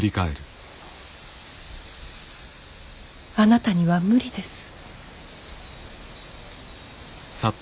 あなたには無理です。